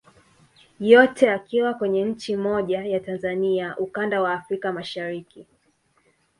Yote yakiwa kwenye nchi moja ya Tanzania ukanda wa Afrika Mashariki